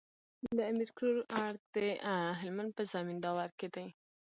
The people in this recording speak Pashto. د امير کروړ ارګ د هلمند په زينداور کي دی